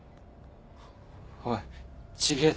おい違ぇ